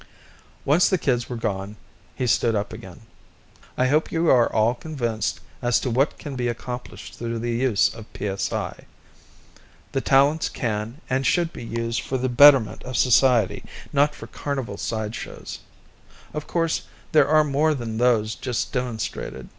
Once the kids were gone, he stood up again. "I hope you are all convinced as to what can be accomplished through the use of psi. The talents can and should be used for the betterment of society, not for carnival side shows. Of course, there are more than those just demonstrated.